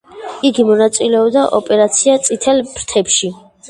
იგი მონაწილეობდა ოპერაცია წითელ ფრთებში.